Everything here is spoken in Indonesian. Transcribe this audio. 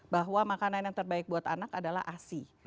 bahwa makanan yang terbaik buat anak adalah asi